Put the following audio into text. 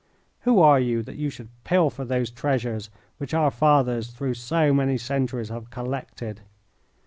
Who are you that you should pilfer those treasures which our fathers through so many centuries have collected?